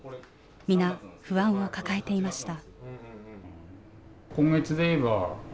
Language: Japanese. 皆、不安を抱えていました。